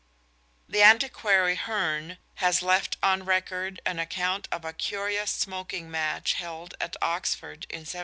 The antiquary Hearne has left on record an account of a curious smoking match held at Oxford in 1723.